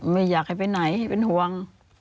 ไม่อยากให้ไปไหนเป็นห่วง